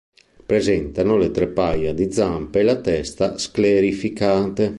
Presentano le tre paia di zampe e la testa sclerificate.